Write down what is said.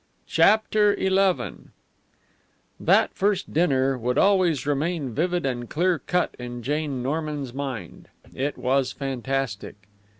CHAPTER XI That first dinner would always remain vivid and clear cut in Jane Norman's mind. It was fantastic.